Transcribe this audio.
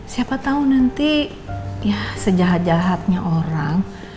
siapa tahu nanti ya sejahat jahatnya orang